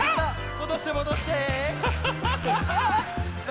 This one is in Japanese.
もどしてもどして。